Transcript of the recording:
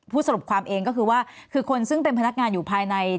สรุปความเองก็คือว่าคือคนซึ่งเป็นพนักงานอยู่ภายใน